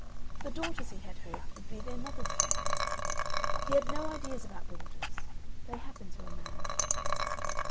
The daughters, he had hoped, would be their mother's care. He had no ideas about daughters. They happen to a man.